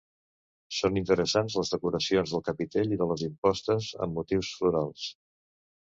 Són interessants les decoracions del capitell i de les impostes, amb motius florals.